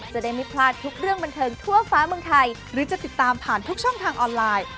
จะได้ไม่พลาดทุกเรื่องบันเทิงทั่วฟ้าเมืองไทยหรือจะติดตามผ่านทุกช่องทางออนไลน์